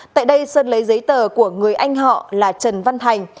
tại đây sơn lấy giấy tờ của người anh họ là trần văn thành